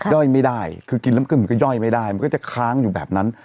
ย่อยไม่ได้คือกินน้ำกึ้งมันก็ย่อยไม่ได้มันก็จะค้างอยู่แบบนั้น